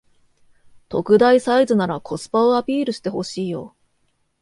特大サイズならコスパをアピールしてほしいよ